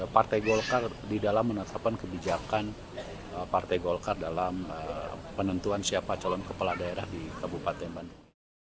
partai golkar di dalam menetapkan kebijakan partai golkar dalam penentuan siapa calon kepala daerah di kabupaten bandung